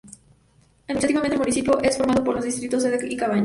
Administrativamente, el municipio es formado por los distritos sede y Cabanas.